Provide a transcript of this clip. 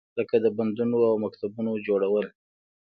لکه د بندونو او مکتبونو جوړول.